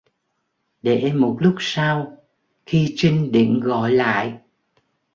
Để một lúc sau khi trinh định gọi lại